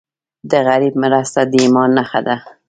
د غریب مرسته د ایمان نښه ده.